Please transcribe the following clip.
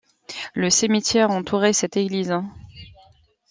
Le cimetière entourait cette église.